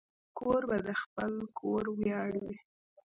کوربه د خپل کور ویاړ وي.